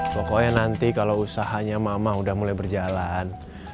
pokoknya nanti kalau usahanya mama udah mulai berjalan